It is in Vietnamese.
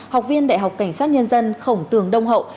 học viên đại học cảnh sát nhân dân khổng tường đông hậu